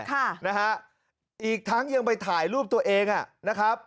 ค่ะนะฮะอีกทั้งยังไปถ่ายรูปตัวเองอ่ะนะครับ